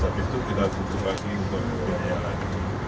habis itu kita butuh lagi untuk biaya lagi